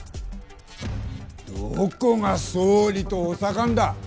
どこが総理と補佐官だ。